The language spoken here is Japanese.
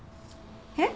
えっ！？